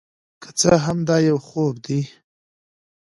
که څه هم دا یو خوب دی،